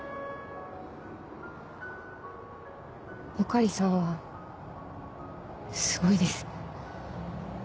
穂刈さんはすごいです。